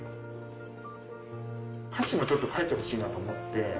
歌詞をちょっと書いてほしいなと思って。